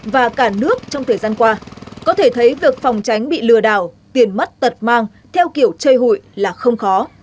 và cả nước trong thời gian qua có thể thấy việc phòng tránh bị lừa đảo tiền mất tật mang theo kiểu chơi hụi là không khó